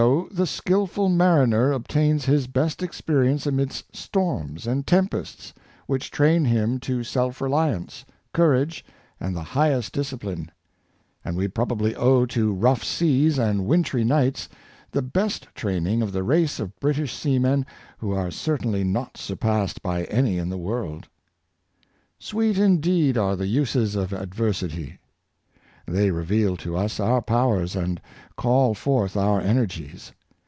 So the skillful mariner obtains his best experience amidst storms and tempests, which train him to self reliance, courage, and the highest disci pline ; and we probably owe to rough seas and wintry nights the best training of the race of British sea men, who are certainly not surpassed by any in the world. " Sweet indeed are the uses of adversity. " They re veal to us our powers, and call forth our energies.